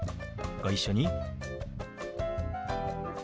ご一緒に。